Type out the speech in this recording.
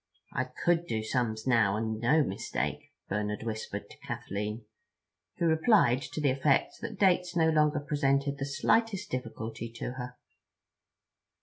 "I could do sums now, and no mistake," Bernard whispered to Kathleen, who replied to the effect that dates no longer presented the slightest difficulty to her.